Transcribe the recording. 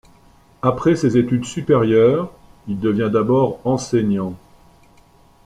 Après ses études supérieures, il devient d'abord enseignant.